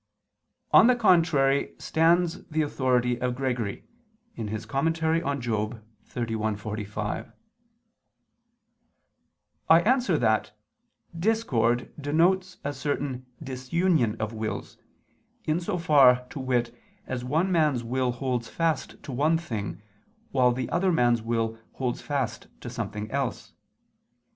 On the contrary stands the authority of Gregory (Moral. xxxi, 45). I answer that, Discord denotes a certain disunion of wills, in so far, to wit, as one man's will holds fast to one thing, while the other man's will holds fast to something else.